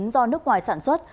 do nước ngoài sản xuất